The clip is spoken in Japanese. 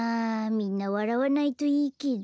みんなわらわないといいけど。